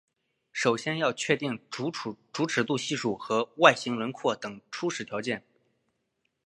首先要确定主尺度系数和外形轮廓等初始条件。